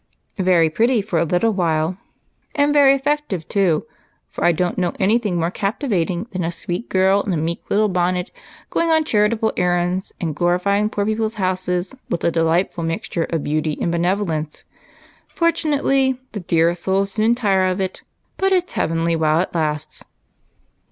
"Very pretty for a little while, and very effective too, for I don't know anything more captivating than a sweet girl in a meek little bonnet going on charitable errands and glorifying poor people's houses with a delightful mixture of beauty and benevolence. Fortunately, the dear souls soon tire of it, but it's heavenly while it lasts."